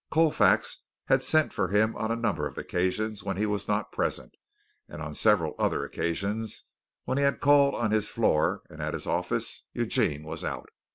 Colfax had sent for him on a number of occasions when he was not present, and on several other occasions, when he had called on his floor and at his office, Eugene was out.